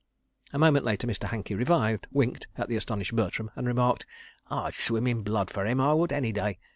A moment later Mr. Hankey revived, winked at the astonished Bertram, and remarked: "I'd swim in blood fer 'im, I would, any day.